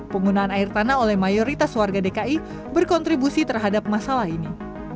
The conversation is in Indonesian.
penggunaan air tanah oleh mayoritas warga dki berkontribusi terhadap masalah ini